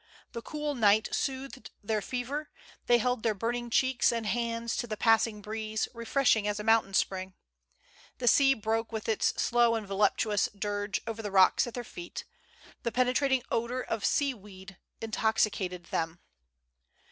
The cool night soothed their fever; they held their burning cheeks and hands to the passing breeze, refreshing as a mountain spring. The sea broke with its slow and voluptuous dirge over the rocks at their feet; the penetrating odor of sea weed intoxicated them.